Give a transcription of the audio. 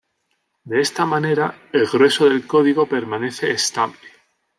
De esta manera, el grueso del código permanece estable.